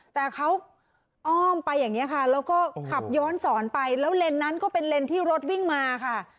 แต่เขาอ้อมไปอย่างนี้ค่ะแล้วก็ขับย้อนสอนไปแล้วเลนส์นั้นก็เป็นเลนที่รถวิ่งมาค่ะ